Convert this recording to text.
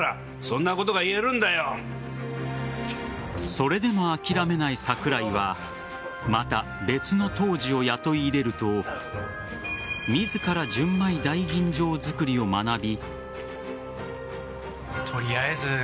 それでも諦めない桜井はまた別の杜氏を雇い入れると自ら純米大吟醸造りを学び。